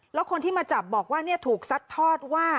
แล้วคนที่มาจับบอกว่าถูกซัดทอดว่า